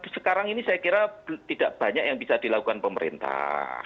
sekarang ini saya kira tidak banyak yang bisa dilakukan pemerintah